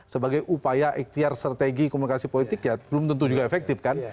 sebagai upaya ikhtiar strategi komunikasi politik ya belum tentu juga efektif kan